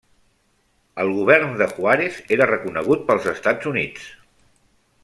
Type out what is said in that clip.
El govern de Juárez era reconegut pels Estats Units.